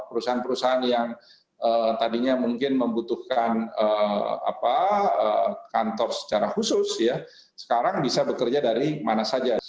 perusahaan perusahaan yang tadinya mungkin membutuhkan kantor secara khusus sekarang bisa bekerja dari mana saja